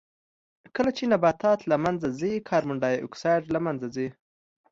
کله چې نباتات له منځه ځي کاربن ډای اکسایډ له منځه ځي.